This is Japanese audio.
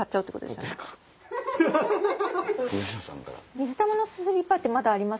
水玉のスリーパーってまだあります？